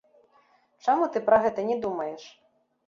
Чаму ты пра гэта не думаеш?